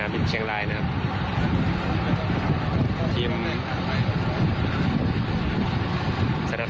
๔โมงหรือกว่านะครับ